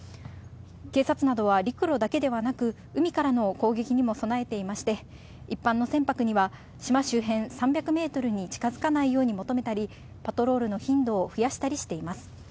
警察などは、陸路だけではなく、海からの攻撃にも備えていまして、一般の船舶には、島周辺３００メートルに近づかないように求めたり、パトロールの頻度を増やしたりしています。